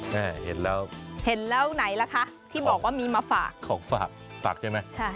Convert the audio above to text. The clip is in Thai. เห็นแล้วเห็นแล้วไหนล่ะคะที่บอกว่ามีมาฝากของฝากฝากใช่ไหม